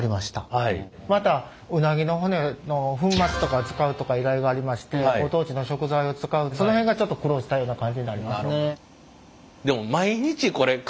またうなぎの骨の粉末とかを使うとか依頼がありましてご当地の食材を使うその辺がちょっと苦労したような感じになりますね。